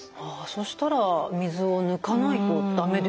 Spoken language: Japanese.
そしたら水を抜かないと駄目ですよね？